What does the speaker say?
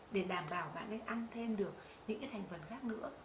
để đảm bảo bạn ấy ăn thêm được những cái thành phần khác nữa